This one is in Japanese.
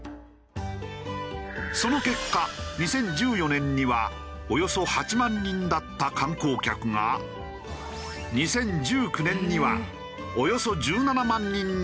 その結果２０１４年にはおよそ８万人だった観光客が２０１９年にはおよそ１７万人に増加。